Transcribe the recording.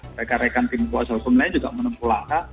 rekan rekan tim kota jawa timur lain juga menempuh langkah